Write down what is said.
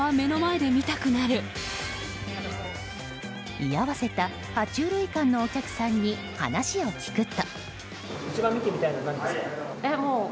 居合わせた爬虫類館のお客さんに話を聞くと。